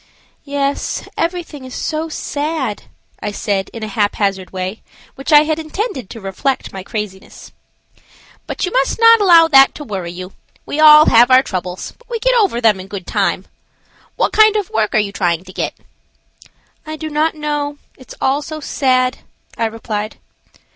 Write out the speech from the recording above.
"Yes, everything is so sad," I said, in a haphazard way, which I had intended to reflect my craziness. "But you must not allow that to worry you. We all have our troubles, but we get over them in good time. What kind of work are you trying to get?" "I do not know; it's all so sad," I replied.